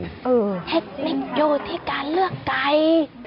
เทคนิคอยู่ที่การเลือกไก่